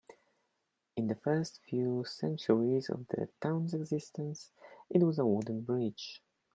In the first few centuries of the town's existence, it was a wooden bridge.